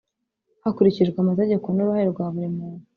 Hakurikijwe amategeko n uruhare rwa buri muntu